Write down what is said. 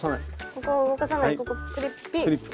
ここを動かさないここクリップピッ。